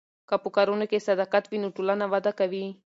که په کارونو کې صداقت وي نو ټولنه وده کوي.